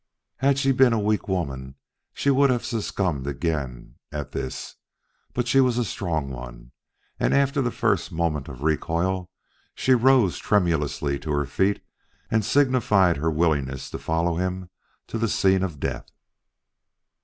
Had she been a weak woman she would have succumbed again at this. But she was a strong one, and after the first moment of recoil she rose tremulously to her feet and signified her willingness to follow him to the scene of death.